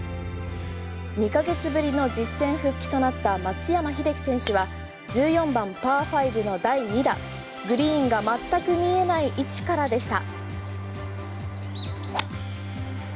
２ヶ月ぶりの実戦復帰となった松山英樹選手は１４番、パー５の第２打グリーンが全く見えない位置からでした。